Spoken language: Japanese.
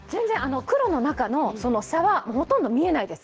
黒の中の差はほとんど見えないです。